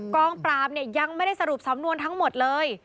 กองปราบเนี่ยยังไม่ได้สรุปสำนวนทั้งหมดเลย